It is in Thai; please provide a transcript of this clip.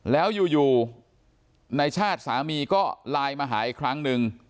แล้วอยู่ในชาติสามีก็ลายมาหายครั้งนึง